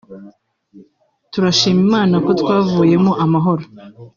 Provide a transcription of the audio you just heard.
turashima Imana ko twavuyemo amahoro”